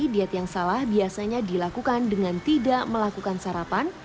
diet yang salah biasanya dilakukan dengan tidak melakukan sarapan